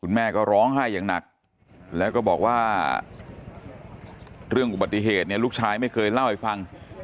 แม่ก็ร้องไห้อย่างหนักแล้วก็บอกว่าเรื่องอุบัติเหตุเนี่ยลูกชายไม่เคยเล่าให้ฟัง